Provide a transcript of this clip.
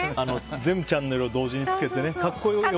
全チャンネルを同時につけてね。